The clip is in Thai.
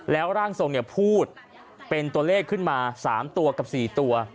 แล้วร่างทรงพูดเป็นตัวเลขขึ้นมา๓ตัวกับ๔ตัว